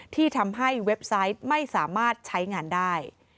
ที่ทำให้เว็บไซต์ไม่สามารถใช้งานได้